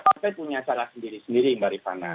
partai punya cara sendiri sendiri mbak rifana